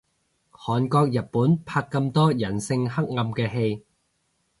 韓國日本拍咁多人性黑暗嘅戲